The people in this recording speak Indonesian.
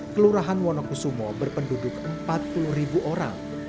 kelurahan wonokusumo berpenduduk empat puluh ribu orang